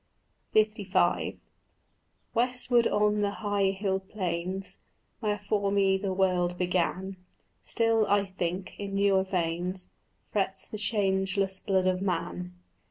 LV Westward on the high hilled plains Where for me the world began, Still, I think, in newer veins Frets the changeless blood of man.